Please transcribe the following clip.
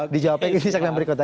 dijawabnya di segmen berikutnya